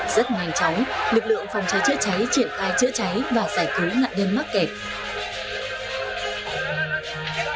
rất nhanh chóng lực lượng phòng cháy chữa cháy triển khai chữa cháy và giải cứu nạn nhân mắc kẹt